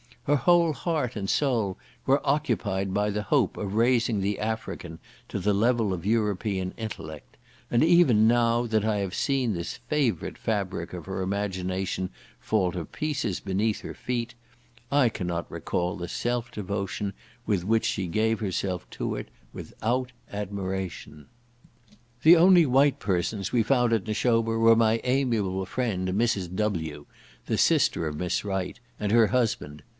Her whole heart and soul were occupied by the hope of raising the African to the level of European intellect; and even now, that I have seen this favourite fabric of her imagination fall to pieces beneath her feet, I cannot recall the self devotion with which she gave herself to it, without admiration. The only white persons we found at Nashoba were my amiable friend, Mrs. W—, the sister of Miss Wright, and her husband.